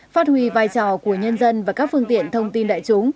phát huy vai trò của nhân dân và các phương tiện thông tin đại chúng